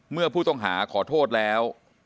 เมื่อผู้ต้องหาขอโทษแล้ว